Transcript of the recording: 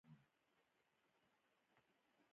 کله کله به پر کلي خړه دوړه راغله.